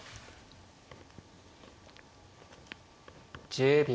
１０秒。